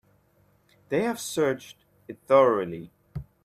They have searched it thoroughly.